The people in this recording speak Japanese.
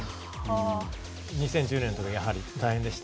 ２０１０年のときはやはり大変でした？